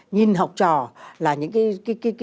nhìn học trò là những cái